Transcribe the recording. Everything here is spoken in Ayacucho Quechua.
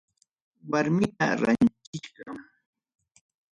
Warmita rantichkan.